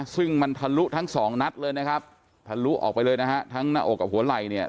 ซึ่งมันทะลุทั้งสองนัดเลยนะครับทะลุออกไปเลยนะฮะทั้งหน้าอกกับหัวไหล่เนี่ย